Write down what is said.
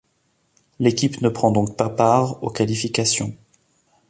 L'équipe ne prend donc pas part aux qualifications.